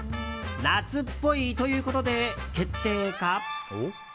夏っぽいということで決定か？